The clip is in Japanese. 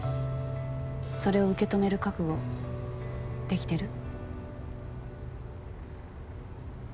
それを受け止める覚悟できてる？